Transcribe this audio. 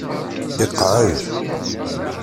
Iqeεεed.